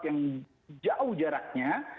yang jauh jaraknya